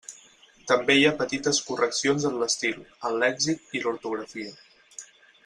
També hi ha petites correccions en l'estil, el lèxic i l'ortografia.